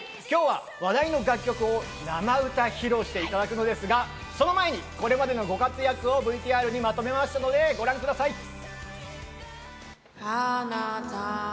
今日は話題の楽曲を生歌披露していただくんですが、その前にこれまでのご活躍をＶＴＲにまとめましたので、ご覧ください。